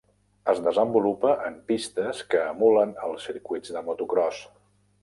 Es desenvolupa en pistes que emulen els circuits de motocròs.